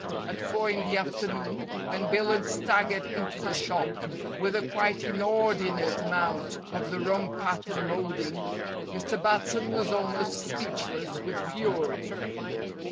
At four in the afternoon, when Billunt staggered into the shop with a quite inordinate amount of the wrong pattern moulding, Mr. Batson was almost speechless with fury.